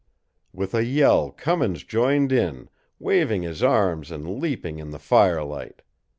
With a yell Cummins joined in, waving his arms and leaping in the firelight.